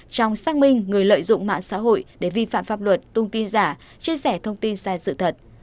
trong xác minh người lợi dụng mạng xã hội để vi phạm pháp luật tung tin giả chia sẻ thông tin sai sự thật